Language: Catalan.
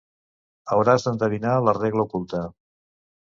Hauràs d'endevinar la regla oculta.